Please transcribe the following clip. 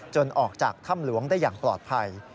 ออกจากถ้ำหลวงได้อย่างปลอดภัย